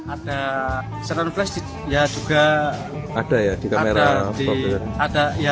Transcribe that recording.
ada seran flash di kamera